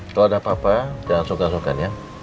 kalau ada papa jangan sok sokan ya